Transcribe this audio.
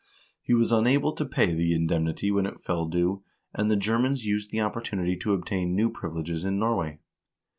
He was unable to pay the indemnity when it fell due, and the Germans used the op portunity to obtain new privileges in Norway.